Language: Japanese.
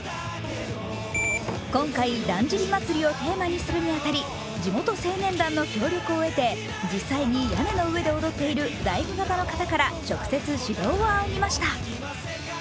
今回、だんじり祭りをテーマにするに当たり地元青年団の協力を得て、実際に屋根の上で踊っている大工方の方から直接指導を仰ぎました。